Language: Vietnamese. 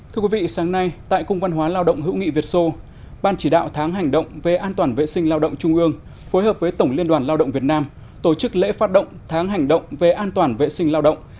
thưa quý vị sáng nay tại cung văn hóa lao động hữu nghị việt sô ban chỉ đạo tháng hành động về an toàn vệ sinh lao động trung ương phối hợp với tổng liên đoàn lao động việt nam tổ chức lễ phát động tháng hành động về an toàn vệ sinh lao động